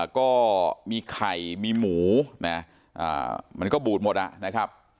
ก็มีไข่มีหมูนะมันก็บูดหมดนะครับ